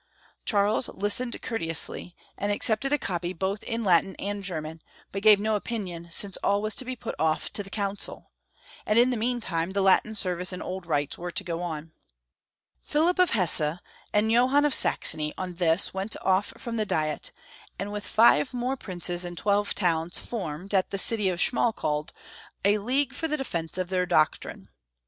Charles listened courteously, and accepted a copy both in Latin and German, but gave no opinion, since all was to be put off to the council, and in the mean time the Latm service and old rites were to go on. Pliilip of Hesse and Johann of Saxony on this went off from the diet, and with five more princ^» CharleB V. 287 and twelve towns formed, at the city of Schmal kalde, a league for the defence of their doctrine.